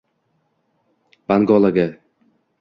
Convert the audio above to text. Bangolaga